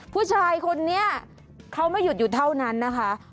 ผู้ชายคนนี้เขาไม่หยุดอยู่เท่านั้นนะคะ